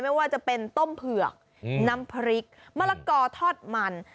ไม่ว่าจะเป็นต้มเผือกน้ำพริกมะละกอทอดมัน